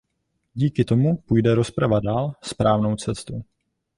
Díky tomu půjde rozprava dál správnou cestou.